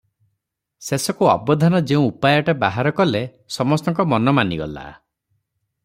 ଶେଷକୁ ଅବଧାନ ଯେଉଁ ଉପାୟଟା ବାହାର କଲେ, ସମସ୍ତଙ୍କ ମନ ମାନିଗଲା ।